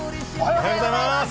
おはようございます。